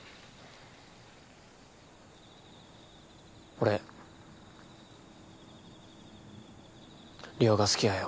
俺梨央が好きやよ